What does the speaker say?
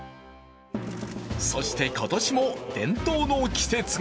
そして今年も伝統の季節が。